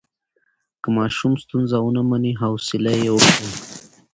که ماشوم ستونزه ونه مني، حوصله یې وکړئ.